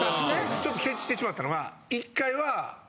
ちょっとケチってしまったのが。